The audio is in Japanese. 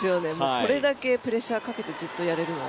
これだけプレッシャーかけてずっとやれるのは。